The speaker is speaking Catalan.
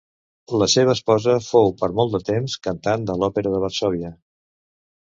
La seva esposa fou per molt de temps cantant de l'Òpera de Varsòvia.